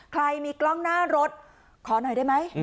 ใครมีกล้องหน้ารถขอหน่อยได้ไหม